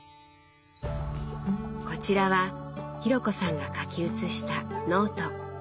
こちらは紘子さんが書き写したノート。